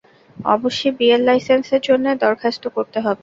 অবশ্যি বিয়ের লাইসেন্সের জন্যে দরখাস্ত করতে হবে।